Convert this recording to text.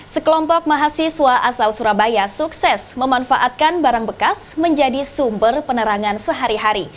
sekelompok mahasiswa asal surabaya sukses memanfaatkan barang bekas menjadi sumber penerangan sehari hari